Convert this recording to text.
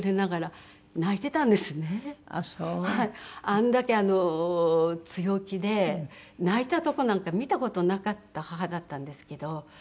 あれだけ強気で泣いたとこなんか見た事なかった母だったんですけど。